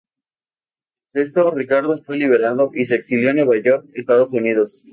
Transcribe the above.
Tras esto, Ricardo fue liberado y se exilió en Nueva York, Estados Unidos.